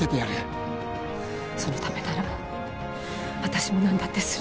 そのためなら私も何だってする。